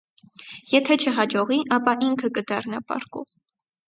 Եթէ չյաջողի, ապա ինք կը դառնայ «պառկող»։